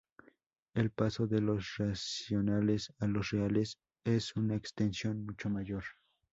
El paso de los racionales a los reales es una extensión mucho mayor.